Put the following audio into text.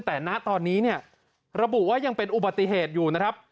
แต่ณตอนนี้เนี่ยระบุว่ายังเป็นอุบัติเหตุอยู่นะครับ